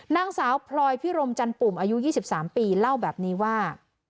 นางสาวพลอยพิรมจันปุ่มอายุ๒๓ปีเล่าแบบนี้ว่า